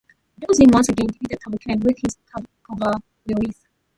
Du Zeng once again defeated Tao Kan with his cavalries.